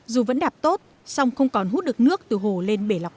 dù vẫn đạp tốt xong không còn hút được nước từ hồ lên đường